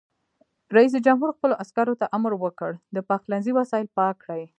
رئیس جمهور خپلو عسکرو ته امر وکړ؛ د پخلنځي وسایل پاک کړئ!